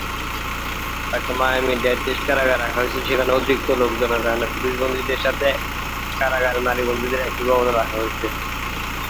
তাকে Miami Dade state কারাগারে রাখা হয়েছে, যেখানে অতিরিক্ত লোকজনের কারণে পুরুষ বন্দীদের সাথে কারাগারের নারী বন্দীদের একই ভবনে রাখা হয়েছে।